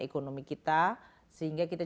ekonomi kita sehingga kita